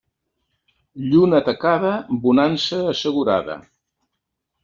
Lluna tacada, bonança assegurada.